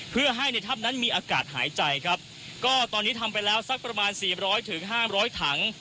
เพื่อให้ในถ้ำนั้นมีอากาศหายใจครับก็ตอนนี้ทำไปแล้วสักประมาณสี่ร้อยถึงห้ามร้อยถัง